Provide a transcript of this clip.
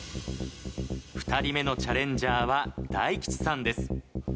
２人目のチャレンジャーは大吉さんです。